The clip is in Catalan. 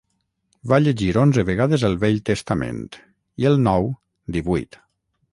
Va llegir onze vegades el Vell Testament, i el Nou divuit.